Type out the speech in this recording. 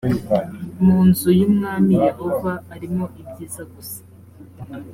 mu nzu y’umwami yehova arimo ibyiza gusa